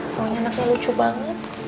soalnya anaknya lucu banget